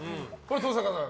登坂さん。